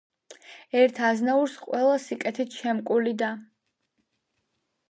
ერთ აზნაურს, ყველა სიკეთით შემკული და